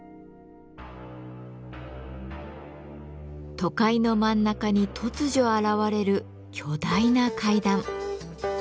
都会の真ん中に突如現れる巨大な階段。